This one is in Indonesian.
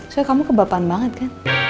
soalnya kamu kebapan banget kan